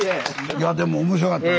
いやでも面白かったな。